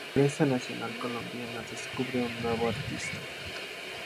La prensa nacional colombiana descubre un nuevo artista.